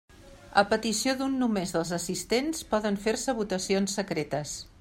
A petició d'un només dels assistents, poden fer-se votacions secretes.